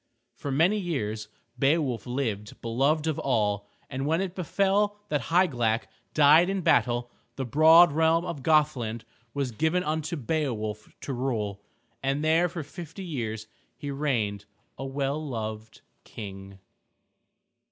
For many years Beowulf lived beloved of all, and when it befell that Hygelac died in battle, the broad realm of Gothland was given unto Beowulf to rule. And there for fifty years he reigned a well loved King.